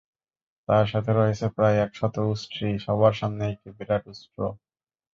তার সাথে রয়েছে প্রায় একশত উষ্ট্রী, সবার সামনে একটি বিরাট উষ্ট্র।